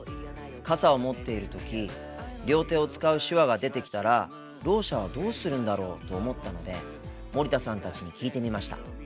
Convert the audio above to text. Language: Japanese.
傘を持っている時両手を使う手話が出てきたらろう者はどうするんだろうと思ったので森田さんたちに聞いてみました。